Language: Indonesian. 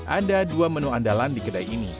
ada dua menu andalan di kedai ini